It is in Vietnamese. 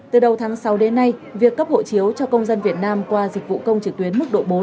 từ đầu tháng sáu đến nay việc cấp hộ chiếu cho công dân việt nam qua dịch vụ công trực tuyến mức độ bốn